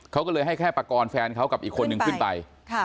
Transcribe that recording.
เขาก็เลยให้แค่ปากรแฟนเขากับอีกคนนึงขึ้นไป